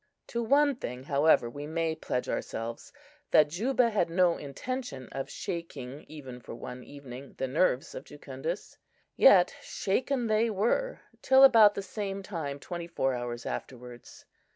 To one thing, however, we may pledge ourselves, that Juba had no intention of shaking, even for one evening, the nerves of Jucundus; yet shaken they were till about the same time twenty four hours afterwards.